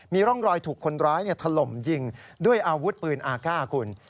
มีร่องรอยถูกคนร้ายถล่มยิงด้วยอาวุธปืนอากาศคุณ